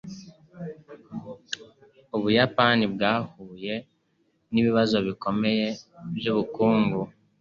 Ubuyapani bwahuye nibibazo bikomeye byubukungu.